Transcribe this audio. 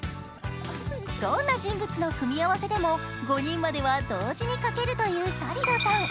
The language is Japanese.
どんな人物の組み合わせでも５人までは同時に描けるというサリドさん。